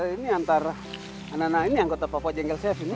ini antara anak anak ini anggota papua jengkel saya sini